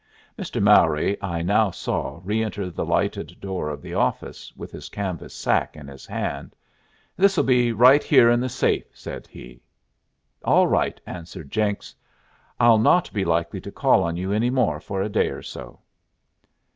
Mr. Mowry I now saw re enter the lighted door of the office, with his canvas sack in his hand. "This'll be right here in the safe," said he. "All right," answered Jenks. "I'll not be likely to call on you any more for a day or so."